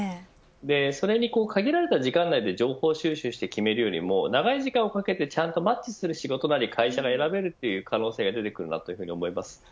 それに限られた時間内で情報収集して決めるよりも長い時間をかけてマッチする仕事や会社を選べる可能性が出てくると思います。